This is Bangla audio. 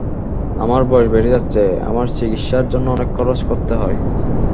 আমার বয়স বেড়ে যাচ্ছে, আমার চিকিৎসার জন্য অনেক খরচ করতে হয়।